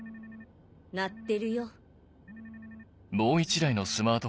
鳴ってるよ。